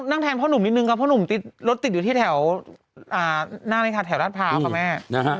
นั่งแทนพ่อหนุ่มนิดนึงครับพ่อหนุ่มรถติดอยู่ที่แถวราชภาพครับแม่